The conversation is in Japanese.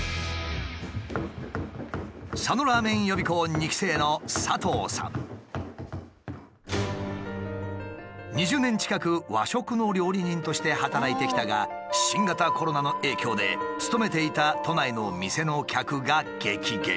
２期生の２０年近く和食の料理人として働いてきたが新型コロナの影響で勤めていた都内の店の客が激減。